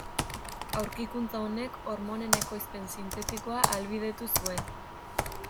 Aurkikuntza honek hormonen ekoizpen sintetikoa ahalbidetu zuen.